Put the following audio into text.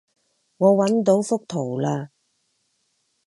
我搵到幅圖喇